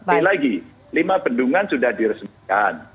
tapi lagi lima bendungan sudah diresmikan